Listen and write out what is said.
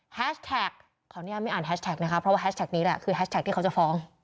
แฮชแท็กขออนุญาตไม่อ่านแฮชแท็กนะคะเพราะว่าแฮชแท็กนี้แหละคือแฮชแท็กที่เขาจะฟ้อง